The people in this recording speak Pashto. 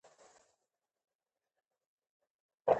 په افغانستان کې د هرات تاریخ اوږد دی.